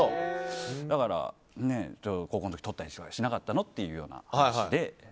だから高校の時とか撮ったりしなかったの？っていう話をして。